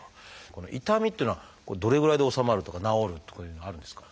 この痛みというのはどれぐらいで治まるとか治るとかいうのはあるんですか？